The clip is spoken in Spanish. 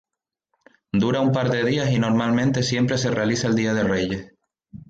Dura un par de días y normalmente siempre se realiza el día de Reyes.